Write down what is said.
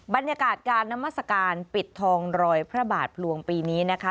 บรรยากาศการนามัศกาลปิดทองรอยพระบาทพลวงปีนี้นะคะ